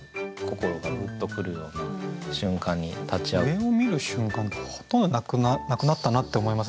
上を見る瞬間ってほとんどなくなったなって思います